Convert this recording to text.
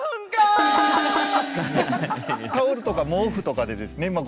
タオルとか毛布とかでですね